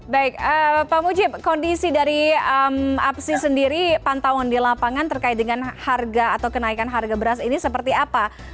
baik pak mujib kondisi dari apsi sendiri pantauan di lapangan terkait dengan harga atau kenaikan harga beras ini seperti apa